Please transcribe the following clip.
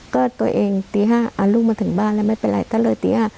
ก็ตัวเองตี๕ลูกมาถึงบ้านแล้วไม่เป็นไรก็เลยตี๕